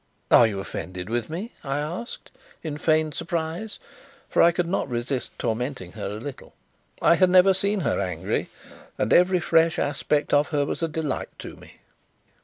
"Are you offended with me?" I asked, in feigned surprise, for I could not resist tormenting her a little. I had never seen her angry, and every fresh aspect of her was a delight to me.